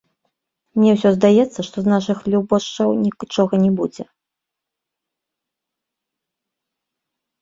Мне ўсё здаецца, што з нашых любошчаў нічога не будзе.